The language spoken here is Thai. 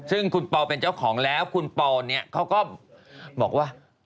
ซึ่งคุณปอลเป็นเจ้าของแล้วคุณปอลเนี่ยเขาก็บอกว่า